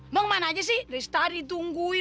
bang mana aja sih dari setahun ditungguin